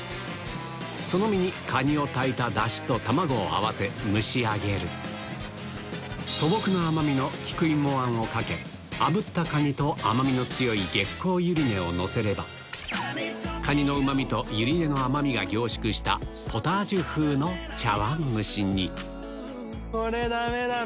その身にカニを炊いたダシと卵を合わせ蒸し上げる素朴な甘みの菊芋あんをかけあぶったカニと甘みの強い月光ゆり根をのせればカニのうまみとゆり根の甘みが凝縮したポタージュ風の茶碗蒸しにこれダメだろ！